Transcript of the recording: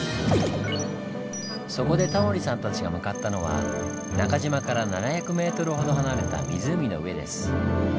そこでタモリさんたちが向かったのは中島から７００ｍほど離れた湖の上です。